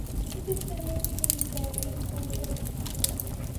It is selected in primary school textbook.